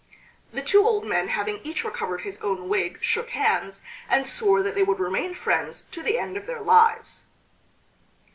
The two old men having each recovered his own wig shook hands, and swore that they would remain friends to the end of their lives.